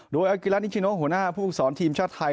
โดยอากิลานิชิโนหัวหน้าผู้ฝึกศรทีมชาติไทย